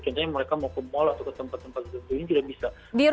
contohnya mereka mau ke mall atau ke tempat tempat tertentu ini tidak bisa